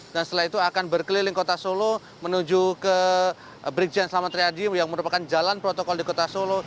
dan setelah itu akan berkeliling kota solo menuju ke brigjen selamat ria dium yang merupakan jalan protokol di kota solo